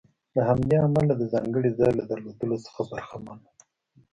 له همدې امله د ځانګړي ځای له درلودلو څخه برخمن و.